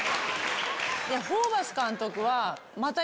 ホーバス監督は。